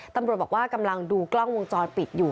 ตำรวจบอกว่ากำลังดูกล้องวงจรปิดอยู่